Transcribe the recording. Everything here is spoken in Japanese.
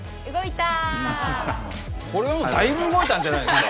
これはだいぶ動いたんじゃないですか。